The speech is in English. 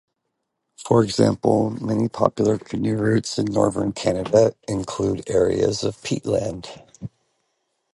For example, many popular canoe routes in northern Canada include areas of peatland.